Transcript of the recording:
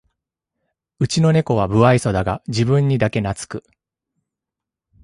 うちのネコは無愛想だが自分にだけなつく